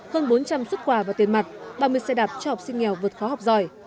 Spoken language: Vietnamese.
hơn bốn trăm linh xuất quà và tiền mặt ba mươi xe đạp cho học sinh nghèo vượt khó học giỏi